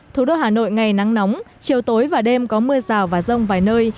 thủ đô hà nội ngày nắng nóng chiều tối và đêm có mưa rào và rông vài nơi